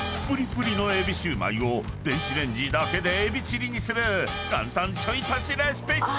プリプリのエビシューマイを電子レンジだけでエビチリにする簡単ちょい足しレシピ］